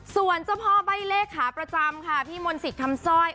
ส่วนเจ้าพ่อใบ้เลขขาประจำค่ะพี่มนต์สิทธิ์คำซ่อย